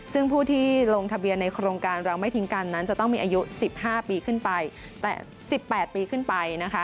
ซึ่งผู้ที่ลงทะเบียนในโครงการเราไม่ทิ้งกันนั้นจะต้องมีอายุ๑๘ปีขึ้นไป